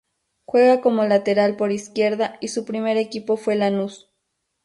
Juega como lateral por izquierda y su primer equipo fue Lanús.